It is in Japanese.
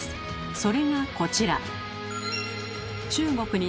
それがこちら。